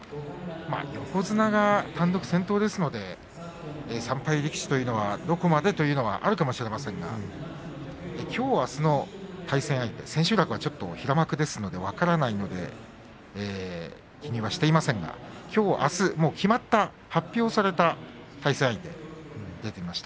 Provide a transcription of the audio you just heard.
横綱が単独先頭ですので３敗力士というのはどこまでというのはあるかもしれませんがきょう、あすの対戦相手千秋楽は平幕ですので分からないので記入はしていませんがきょう、あす発表された対戦相手です。